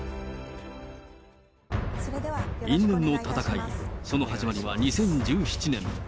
因縁の戦い、その始まりは２０１７年。